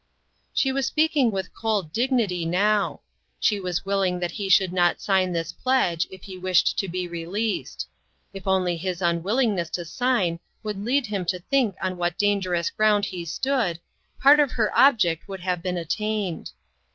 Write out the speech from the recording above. She was speaking with cold dignity now. She was willing that he should not sign this pledge if he wished to be released. If only his unwillingness to sign would lead him to think on what dangerous ground he stood, part of her object would have been attained.